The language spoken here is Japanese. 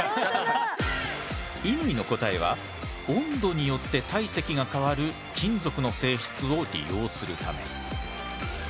乾の答えは「温度によって体積が変わる金属の性質を利用するため」。